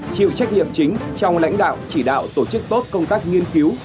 chịu trách nhiệm chính trong lãnh đạo chỉ đạo tổ chức tốt công tác nghiên cứu